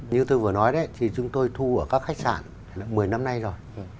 như tôi vừa nói chúng tôi thu ở các khách sạn một mươi năm nay rồi